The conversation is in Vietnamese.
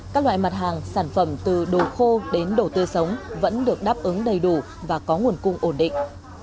các loại mặt hàng sản phẩm từ đồ khô đến đồ tươi sống vẫn được đáp ứng đầy đủ và có nguồn cung ổn định